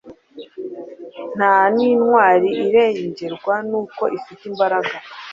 nta n'intwari irengerwa n'uko ifite imbaraga